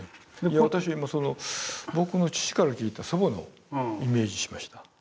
私今僕の父から聞いた祖母のイメージしました。